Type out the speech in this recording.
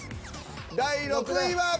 第６位は。